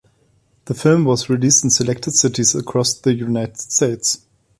The film was released in selected cities across the United States.